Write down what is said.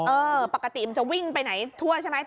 ปกติมันจะวิ่งไปไหนทั่วใช่ไหม